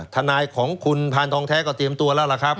ทนายของคุณพานทองแท้ก็เตรียมตัวแล้วล่ะครับ